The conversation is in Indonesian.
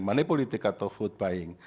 money politik atau food buying